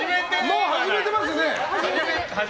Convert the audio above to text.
もう始めてますね。